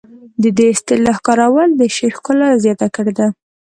د دې اصطلاح کارول د شعر ښکلا زیاته کړې ده